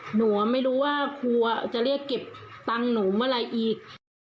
หนูไม่รู้ว่าครัวจะเรียกเก็บตังค์หนูเมื่อไหร่อีก